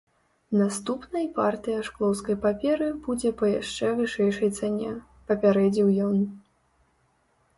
Наступнай партыя шклоўскай паперы будзе па яшчэ вышэйшай цане, папярэдзіў ён.